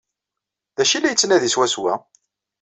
D acu ay la yettnadi swaswa?